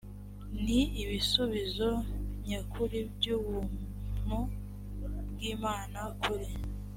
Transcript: ni ibisubizo nyakuri by ubuntu bw imana kuri